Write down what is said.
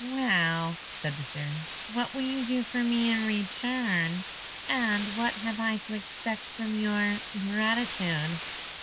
"Well," said the Fairy, "what will you do for me in return, and what have I to expect from your gratitude?"